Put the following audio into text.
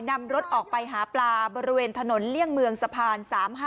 นำรถออกไปหาปลาบริเวณถนนเลี่ยงเมืองสะพาน๓๕